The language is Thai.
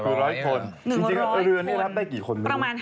ครึ่งจริงก่อนเรือนได้รับได้กี่คนไม๊รู้เหลือประมาณ๕๐